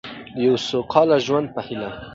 د یو سوکاله ژوند په هیله.